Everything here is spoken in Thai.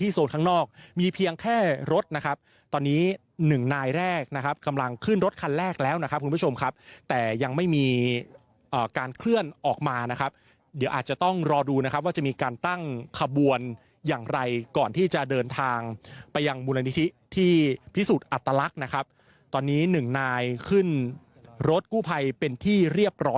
ที่โซนข้างนอกมีเพียงแค่รถนะครับตอนนี้หนึ่งนายแรกนะครับกำลังขึ้นรถคันแรกแล้วนะครับคุณผู้ชมครับแต่ยังไม่มีอ่าการเคลื่อนออกมานะครับเดี๋ยวอาจจะต้องรอดูนะครับว่าจะมีการตั้งขบวนอย่างไรก่อนที่จะเดินทางไปยังบุรณิธิที่พิสูจน์อัตลักษณ์นะครับตอนนี้หนึ่งนายขึ้นรถกู้ไพรเป็นที่เรียบร้